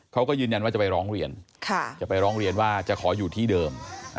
เขาก็ยืนยันว่าจะไปร้องเรียนจะไปร้องเรียนว่าจะขออยู่ที่เดิม